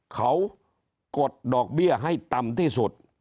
เขากดดอกเบี้ยให้ต่ำที่สุด